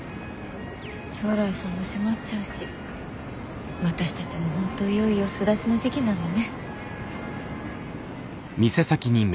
朝來さんも閉まっちゃうし私たちも本当いよいよ巣立ちの時期なのね。